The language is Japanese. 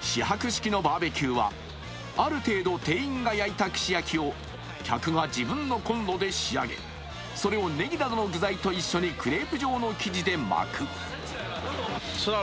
シ博式のバーベキューはある程度店員が焼いた串焼きを客が自分のコンロで仕上げ、それをねぎなどの具材と一緒にクレープ状の生地で巻く。